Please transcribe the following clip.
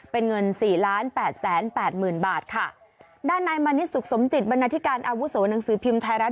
เป็นเงิน๔๘๘๐๐๐๐บาทค่ะด้านในมณิสุขสมจิตบรรณาธิการอาวุศวนังสือพิมพ์ไทยรัฐ